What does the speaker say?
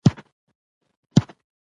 ایا زه باید په ولاړه ډوډۍ وخورم؟